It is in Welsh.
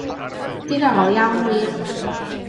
Diddorol iawn wir.